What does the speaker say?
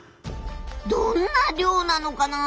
どんな漁なのかな？